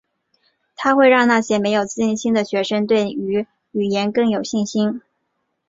它会让那些没有自信心的学生对于语言更有信心。